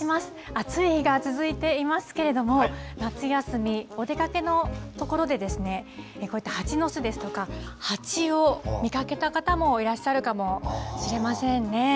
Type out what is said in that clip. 暑い日が続いていますけれども、夏休み、お出かけの所で、こういった蜂の巣ですとか、蜂を見かけた方もいらっしゃるかもしれませんね。